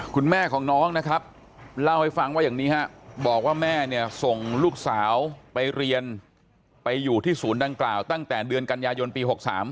คุณแม่ของน้องนะครับเล่าให้ฟังว่าอย่างนี้ฮะบอกว่าแม่เนี่ยส่งลูกสาวไปเรียนไปอยู่ที่ศูนย์ดังกล่าวตั้งแต่เดือนกันยายนปี๖๓